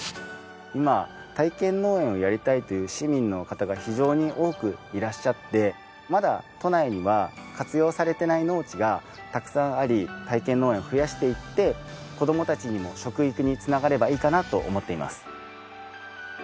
今体験農園をやりたいという市民の方が非常に多くいらっしゃってまだ都内には活用されてない農地がたくさんあり体験農園を増やしていって子供たちにも食育に繋がればいいかなと思っています。